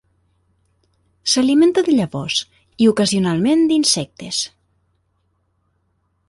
S'alimenta de llavors i, ocasionalment, d'insectes.